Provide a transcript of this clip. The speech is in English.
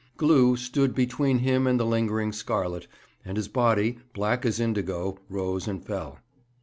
Glew stood between him and the lingering scarlet, and his body, black as indigo, rose and fell.